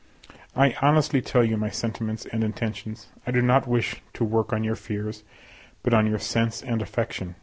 I honestly tell you my sentiments and intentions: I do not wish to work on your fears, but on your sense and affection.